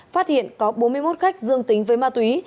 phát hiện có bốn mươi một khách dương tính với ma túy